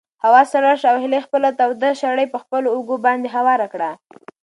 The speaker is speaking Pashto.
هوا سړه شوه او هیلې خپله توده شړۍ په خپلو اوږو باندې هواره کړه.